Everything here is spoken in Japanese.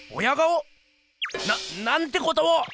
⁉なっなんてことを！